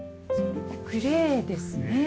グレーですね。